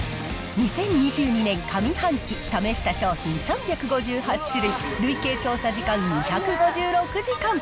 ２０２２年上半期、試した商品３５８種類、累計調査時間２５６時間。